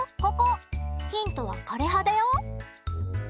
ヒントは枯れ葉だよ。